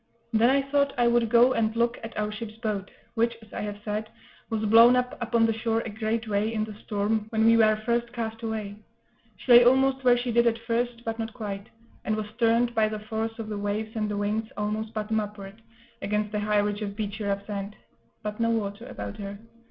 Then I thought I would go and look at our ship's boat, which, as I have said, was blown up upon the shore a great way, in the storm, when we were first cast away. She lay almost where she did at first, but not quite; and was turned, by the force of the waves and the winds, almost bottom upward, against a high ridge of beachy, rough sand, but no water about her.